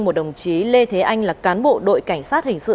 một đồng chí lê thế anh là cán bộ đội cảnh sát hình sự